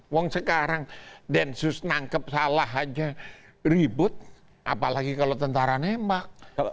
wong sekarang densus nangkep salah aja ribut apalagi kalau tentara nembak